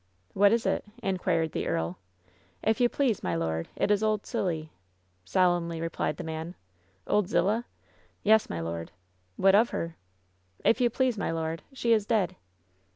"What is it V^ inquired the earL "If you please, my lord, it is Old Silly,'' solenmlj replied the man. "OldZiUahr "Yes, my lord." '^Whatof herT 'If you please, my lord, she is dead."